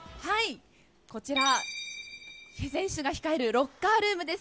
こちら、出演者が控えるロッカールームです。